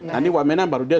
nanti wamena baru dia